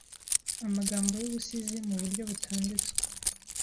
amagambo yubusizi muburyo butanditswe